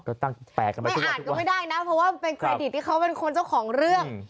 ไม่อ่านก็ไม่ได้นะเพราะว่าเป็นเครดิตที่เขาเป็นคนเจ้าของเรื่อง